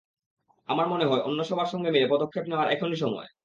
আমার মনে হয়, অন্য সবার সঙ্গে মিলে পদক্ষেপ নেওয়ার এখনই সময়।